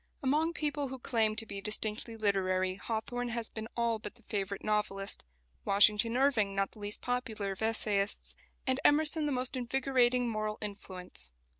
Among people who claim to be distinctly literary Hawthorne has been all but the favourite novelist, Washington Irving not the least popular of essayists, and Emerson the most invigorating moral influence.